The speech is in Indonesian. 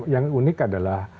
yang unik adalah